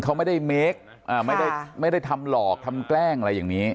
เขาไม่ได้เมคไม่ได้ทำหลอกทำแกล้งอะไรอย่างนี้